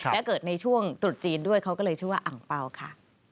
และเกิดในช่วงตรุษจีนด้วยเขาก็เลยชื่อว่าอังเปล่าค่ะ